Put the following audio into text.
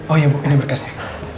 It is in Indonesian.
oh iya bu ini berkasnya